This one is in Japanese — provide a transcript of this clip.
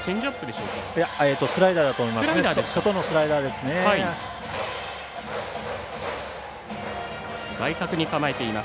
外のスライダーだと思います。